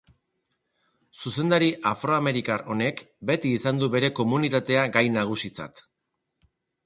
Zuzendari afroamerikar honek beti izan du bere komunitatea gai nagusitzat.